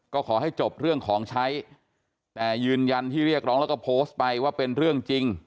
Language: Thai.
ก็ขอให้จบเรื่องของใช้แต่ยืนยันที่เรียกร้องแล้วก็โพสต์ไปว่าเป็นเรื่องจริง